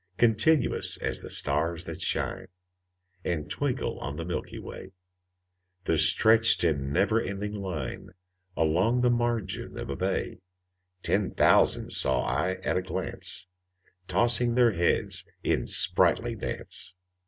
Continuous as the stars that shine And twinkle on the milky way, The stretched in never ending line Along the margin of a bay: Ten thousand saw I at a glance, Tossing their heads in sprightly dance.